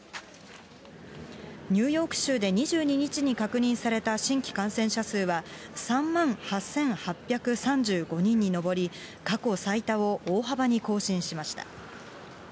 ニューヨーク州で２２日に確認された新規感染者数は、３万８８３５人に上り、過去最多を大幅に更新しました。